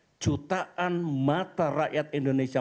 perhutangan mata rakyat indonesia